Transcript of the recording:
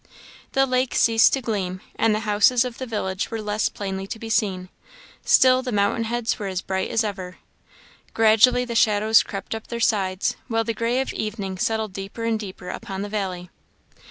The lake ceased to gleam, and the houses of the village were less plainly to be seen; still the mountain heads were as bright as ever. Gradually the shadows crept up their sides, while the gray of evening settled deeper and deeper upon the valley.